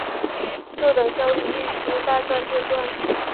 就等消息一出大赚特赚